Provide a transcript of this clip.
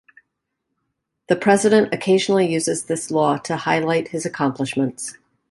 The president occasionally uses this law to highlight his accomplishments.